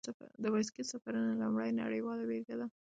د بایسکل سفرونو لومړنی نړیواله بېلګه دی.